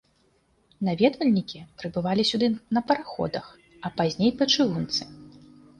Наведвальнікі прыбывалі сюды на параходах, а пазней па чыгунцы.